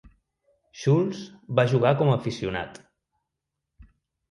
Schultz va jugar com aficionat.